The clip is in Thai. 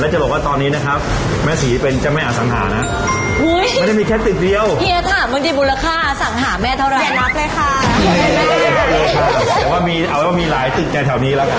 แต่เอาว่ามีหลายตึกแท้ตรงนี้ละกัน